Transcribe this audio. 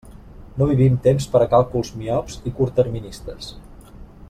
No vivim temps per a càlculs miops i curtterministes.